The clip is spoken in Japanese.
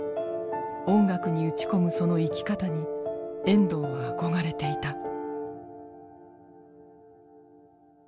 音楽に打ち込むその生き方に遠藤は憧れていた。